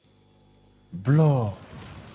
Blo.